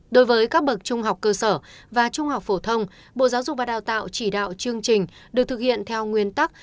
đối với các bậc trung học cơ sở và trung học phổ thông bộ giáo dục và đào tạo chỉ đạo chương trình được thực hiện theo nguyên tắc